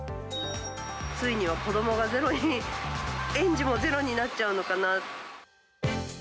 ついには子どもがゼロに、園児もゼロになっちゃうのかな。